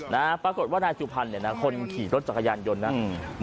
นะฮะปรากฏว่านายสุพรรณเนี่ยนะคนขี่รถจักรยานยนต์นะอืม